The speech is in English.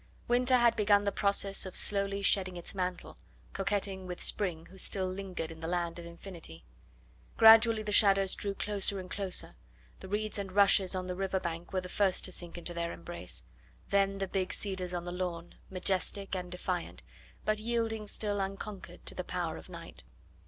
Winter had begun the process of slowly shedding its mantle, coquetting with Spring, who still lingered in the land of Infinity. Gradually the shadows drew closer and closer; the reeds and rushes on the river bank were the first to sink into their embrace, then the big cedars on the lawn, majestic and defiant, but yielding still unconquered to the power of night.